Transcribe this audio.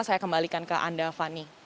saya kembalikan ke anda fani